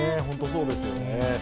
そうですよね。